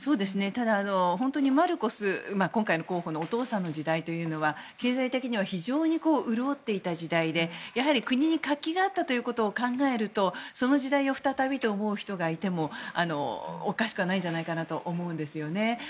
ただ、本当にマルコス今回の候補のお父さんの時代というのは経済的には非常に潤っていた時代でやはり国に活気があったことを考えるとその時代を再びと考える人がいてもおかしくはないんじゃないかなと思うんです。